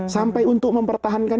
sampai untuk mempertahankan